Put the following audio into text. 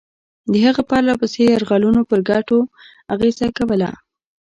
د هغه پرله پسې یرغلونو پر ګټو اغېزه کوله.